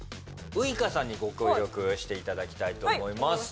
ウイカさんにご協力していただきたいと思います